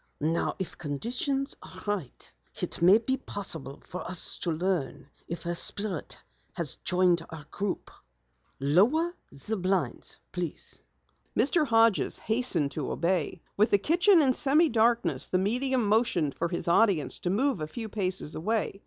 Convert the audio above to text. "Now if conditions are right, it may be possible for us to learn if a Spirit has joined our group. Lower the blinds, please." Mr. Hodges hastened to obey. With the kitchen in semi darkness, the medium motioned for his audience to move a few paces away.